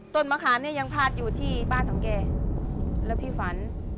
ต้นมะขามยังพาดอยู่ที่บ้านของเก่และพี่ฝัน